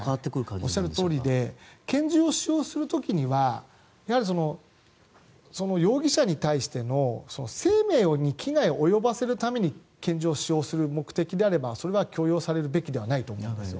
おっしゃるとおりで拳銃を使用する時には容疑者に対してのその生命に危害を及ばせるために拳銃を使用する目的であればそれは許容されるべきではないと思うんです。